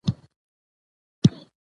چې فرعي برخې خراساني سبک،